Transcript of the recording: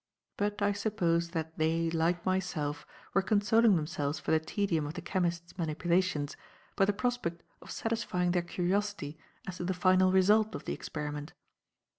But I supposed that they, like myself, were consoling themselves for the tedium of the chemist's manipulations by the prospect of satisfying their curiosity as to the final result of the experiment.